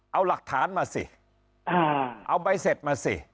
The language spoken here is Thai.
เอาหลักฐานมาสิเอาใบเสร็จมาสิ